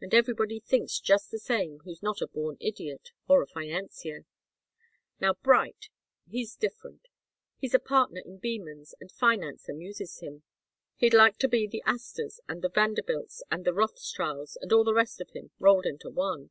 And everybody thinks just the same who's not a born idiot or a financier. Now Bright he's different. He's a partner in Beman's and finance amuses him. He'd like to be the Astors and the Vanderbilts and the Rothschilds and all the rest of them, rolled into one.